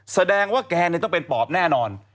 แสดงว่าแกต้องเป็นปอบแน่นอน